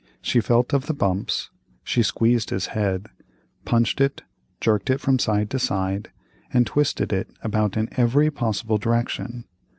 She felt of the bumps, she squeezed his head, punched it, jerked it from side to side, and twisted it about in every possible direction.